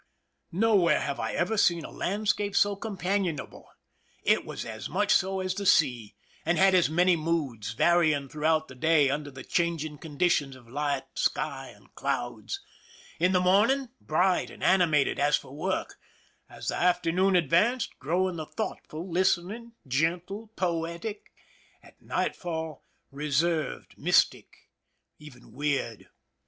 Nowhere have I ever seen a landscape so compan ionable. It was as much so as the sea, and had as many moods, varying throughout the day under the changing conditions of light, sky, and clouds: in the morning bright and animated as for work ; as the afternoon advanced, growing thoughtful, listen ingj gentle, poetic; at nightfall reserved, mystic, even weird.